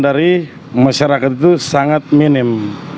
dari masyarakat itu sangat minim